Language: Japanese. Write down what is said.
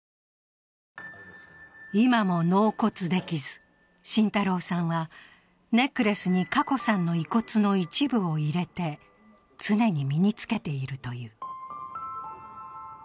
今も納骨できず、信太郎さんはネックレスに華子さんの遺骨の一部を入れて常に身に着けているという。